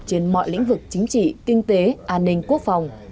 trên mọi lĩnh vực chính trị kinh tế an ninh quốc phòng